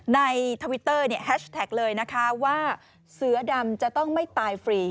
ทวิตเตอร์เนี่ยแฮชแท็กเลยนะคะว่าเสือดำจะต้องไม่ตายฟรี